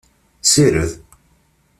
Sired!